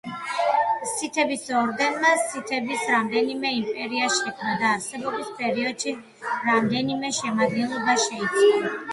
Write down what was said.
სითების ორდენმა სითების რამდენიმე იმპერია შექმნა და არსებობის პერიოდში რამდენიმე შემადგენლობა შეიცვალა.